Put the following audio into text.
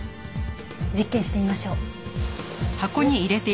実験してみましょう。